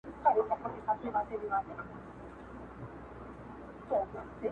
په دغه صورت مو وساتی وطن خپل؛